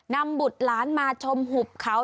นำบุตรล้านมาชมหุบเขา